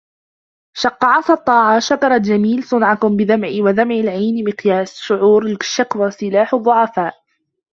شق عصا الطاعة شكرت جميل صنعكم بدمعي ودمع العين مقياس الشعور الشكوى سلاح الضعفاء